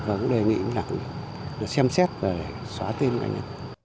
và cũng đề nghị đảng viên xem xét và xóa tên anh